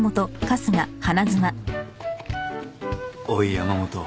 おい山本